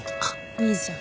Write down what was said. いいじゃん。